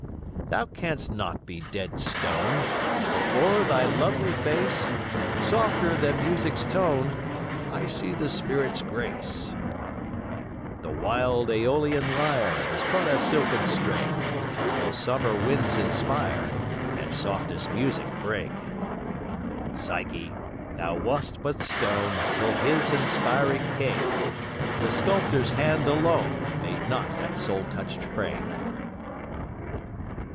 Thou canst not be dead stone; For o'er thy lovely face, Softer than music's tone, I see the spirit's grace. The wild aeolian lyre Is but a silken string, Till summer winds inspire, And softest music bring. Psyche, thou wast but stone Till his inspiring came: The sculptor's hand alone Made not that soul touched frame.